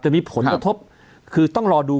มีผลกระทบคือต้องรอดู